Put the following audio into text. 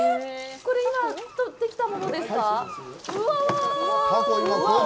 これ今とってきたものですか。